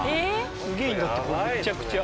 すげぇいんだってむちゃくちゃ。